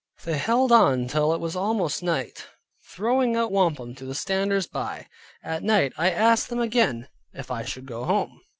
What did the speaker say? They held on till it was almost night, throwing out wampum to the standers by. At night I asked them again, if I should go home?